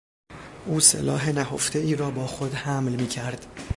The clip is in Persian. او سلاح نهفتهای را با خود حمل میکرد.